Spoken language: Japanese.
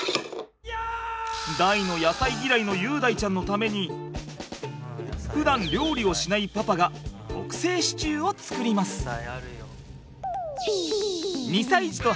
大の野菜ギライの結大ちゃんのためにふだん料理をしないパパが特製シチューを作ります。